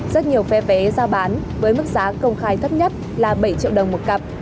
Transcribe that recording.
rất nhiều phe vé giao bán với mức giá công khai thấp nhất là bảy triệu đồng một cặp